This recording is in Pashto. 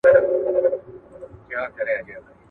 چی له ظلمه دي خلاص کړی یمه خوره یې `